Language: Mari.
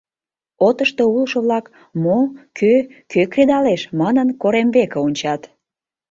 Отышто улшо-влак, «мо? кӧ? кӧ кредалеш?» манын, корем веке ончат.